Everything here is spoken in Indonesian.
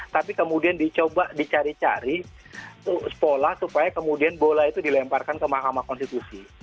tapi kemudian dicoba dicari cari sekolah supaya kemudian bola itu dilemparkan ke mahkamah konstitusi